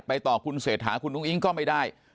ไปต่อคุณเสร็จหาคุณนุ้งอิงก็ไม่ได้